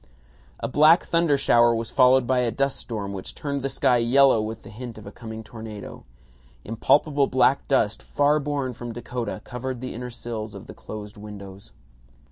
A black thunder shower was followed by a dust storm which turned the sky yellow with the hint of a coming tornado. Impalpable black dust far borne from Dakota covered the inner sills of the closed windows.